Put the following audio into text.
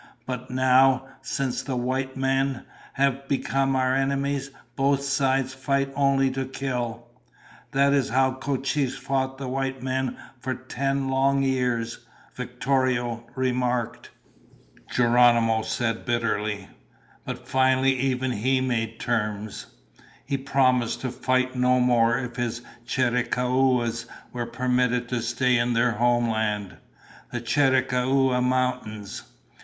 But now, since the white men have become our enemies, both sides fight only to kill." "That is how Cochise fought the white men for ten long years," Victorio remarked. Geronimo said bitterly, "But finally even he made terms. He promised to fight no more if his Chiricahuas were permitted to stay in their homeland, the Chiricahua Mountains.